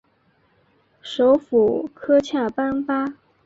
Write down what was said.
首府科恰班巴。